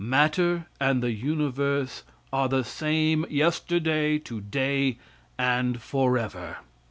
Matter and the universe are the same yesterday, today and forever.